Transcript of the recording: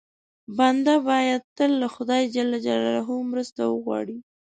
بنده باید تل له خدای ج مرسته وغواړي.